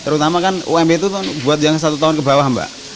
terutama kan ump itu buat yang satu tahun ke bawah mbak